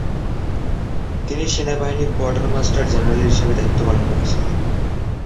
তিনি সেনাবাহিনীর quartermaster general হিসেবে দায়িত্ব পালন করেছেন।